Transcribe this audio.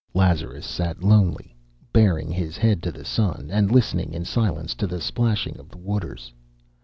Lazarus sat lonely, baring his head to the sun, and listening in silence to the splashing of the waters.